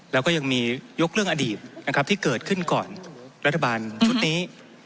แล้วก็ยังมียกเรื่องอดีตนะครับที่เกิดขึ้นก่อนรัฐบาลชุดนี้